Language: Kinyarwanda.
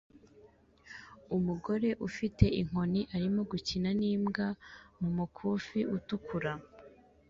Umugore ufite inkoni arimo gukina nimbwa mumukufi utukura